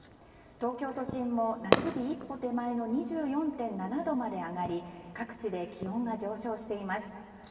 東京都心も夏日一歩手前の２４．７度まで上がり各地で気温が上昇しています。